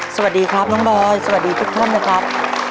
สวัสดีครับน้องบอยสวัสดีทุกท่านนะครับ